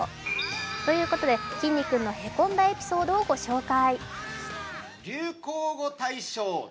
ということで、きんに君のへこんだエピソードを紹介。